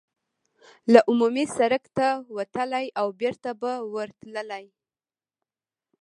له عمومي سړک ته وتلای او بېرته به ورتللای.